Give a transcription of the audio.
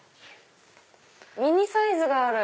ミニサイズがある。